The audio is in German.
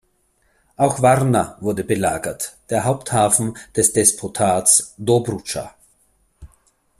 Auch Warna wurde belagert, der Haupthafen des Despotats Dobrudscha.